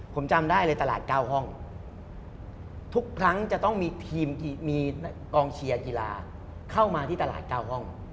ผมจำได้เลยตลาด๙ห้องทุกครั้งจะต้องมีทีมมีกองเชียร์กีฬาเข้ามาที่ตลาด๙ห้อง